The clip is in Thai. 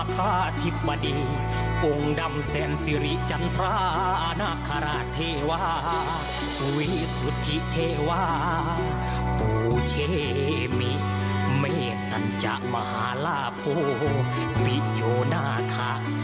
พระอธิบดีองค์ดำแสนสิริจันทรานาคาราชเทวาสุวิสุทธิเทวาปูเชมิเมษนัญจมหาลาโพมิโยนาคา